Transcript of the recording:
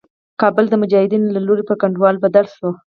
کابل د مجاهدينو له لوري په کنډوالي بدل شو.